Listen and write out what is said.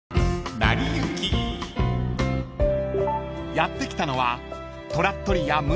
［やって来たのは］